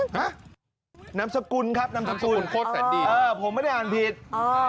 ฮึน้ำสกุลครับน้ำสกุลผมไม่ได้อ่านผิดน้ำสกุลโคตรแสนดี